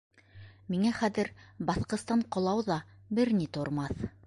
— Миңә хәҙер баҫҡыстан ҡолау ҙа бер ни тормаҫ!